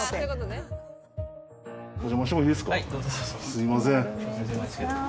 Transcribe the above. すいません。